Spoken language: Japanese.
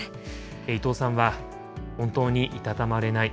伊藤さんは、本当にいたたまれない。